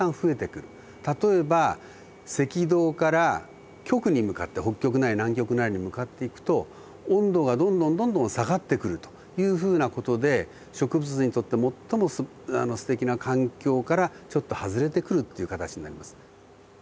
例えば赤道から極に向かって北極なり南極なりに向かっていくと温度がどんどんどんどん下がってくるというふうな事で植物にとって最もすてきな環境からちょっと外れてくるっていうかたちになります。